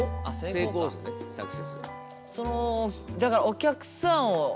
成功ですよねサクセス。